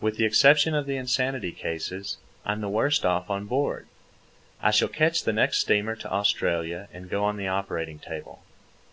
With the exception of the insanity cases, I'm the worst off on board. I shall catch the next steamer to Australia and go on the operating table.